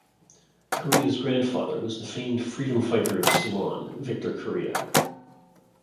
Corea's grandfather was the famed freedom fighter of Ceylon, Victor Corea.